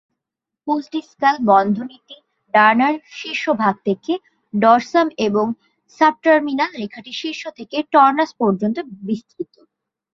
Postdiscal বন্ধনীটি ডানার শীর্ষভাগ থেকে dorsum এবং সাবটার্মিনাল রেখাটি শীর্ষ থেকে টর্নাস পর্যন্ত বিস্তৃত।